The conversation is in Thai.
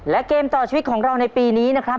และเกมต่อชีวิตของเราในปีนี้นะครับ